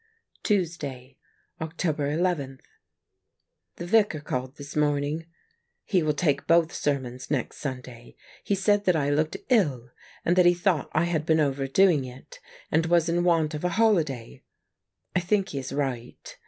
Tuesday, October 11. — The Vicar called this morning. He Avill take both sermons next Sunday. He said that I looked ill, and that he thought I had been overdoing it, and was in want of a holiday. I think he is right.